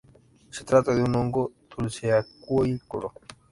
Se trata de un hongo dulceacuícola.